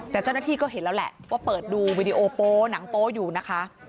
แต่เจ้าหน้าที่ก็เห็นแล้วแหละว่าเปิดดูวิดีโอโป๊หนังโป๊อยู่นะคะ